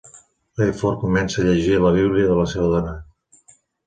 Rayford comença a llegir la bíblia de la seva dona.